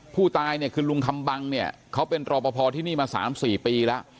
ผู้ตายเนี่ยคือลุงคำบังเนี่ยเขาเป็นรอปภที่นี่มา๓๔ปีแล้ว